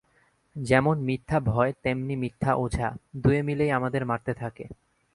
যেমন মিথ্যা ভয় তেমনি মিথ্যা ওঝা– দুয়ে মিলেই আমাদের মারতে থাকে।